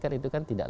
kan itu kan tidak ada